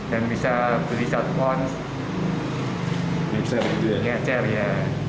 dan bisa beli satu duanya